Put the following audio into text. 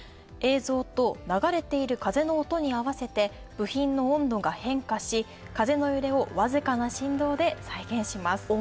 映像と流れている風の音にあわせて部品の温度が変化し風の揺れをわずかな振動で再現します。